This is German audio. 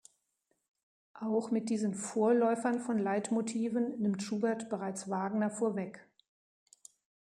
Auch mit diesen Vorläufern von Leitmotiven nimmt Schubert bereits Wagner vorweg.